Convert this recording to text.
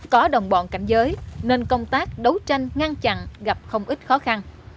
có đồng bọn cảnh giới nên công tác đấu tranh ngăn chặn gặp không ít khó khăn